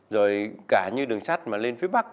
rồi cả như đường sắt mà lên phía bắc